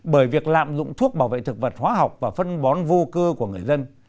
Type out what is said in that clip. bởi việc lạm dụng thuốc bảo vệ thực vật hóa học và phân bón vô cư của người dân